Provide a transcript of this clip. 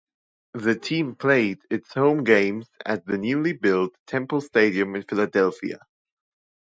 The team played its home games at the newly built Temple Stadium in Philadelphia.